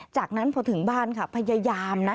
จากนั้นพอถึงบ้านค่ะพยายามนะ